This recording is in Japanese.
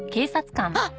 あっ！